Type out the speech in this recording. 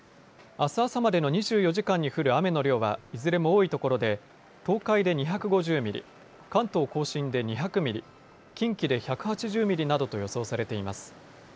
あす朝までの２４時間に降る雨の量はいずれも多いところで東海で２５０ミリ、関東甲信で２００ミリ、近畿で１８０ミリなどと予想されています。